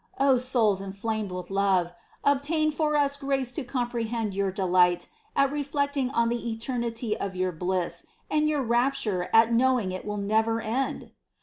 souls inflamed with love, obtain for us grace to comprehend your delight at reflecting on the eternity of your bliss and your rapture at knowing it will never end